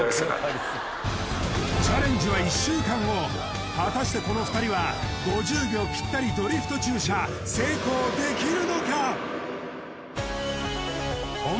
チャレンジは１週間後果たしてこの２人は５０秒ぴったりドリフト駐車成功できるのか！？